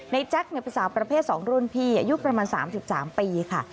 นายแจ็คเป็นสามประเภทสองร่วมพีอายุประมาณ๓๓ปีค่ะ